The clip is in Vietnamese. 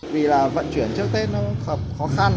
vì là vận chuyển trước tết nó khó khăn